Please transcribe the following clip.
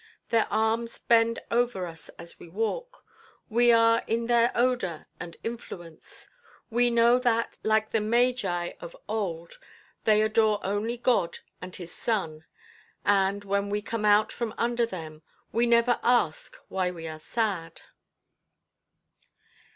Their arms bend over us as we walk, we are in their odour and influence, we know that, like the Magi of old, they adore only God and His sun; and, when we come out from under them, we never ask why we are sad.